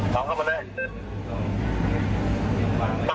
ของกับมันได้